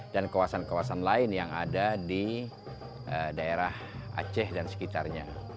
dan kawasan kawasan lain yang ada di daerah aceh dan sekitarnya